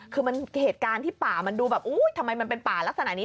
คือมันเหตุการณ์ที่ป่ามันดูแบบมันเป็นป่าแต่มันเป็นป่าลักษณะนี้